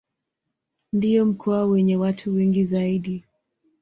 Ndio mkoa wenye watu wengi zaidi.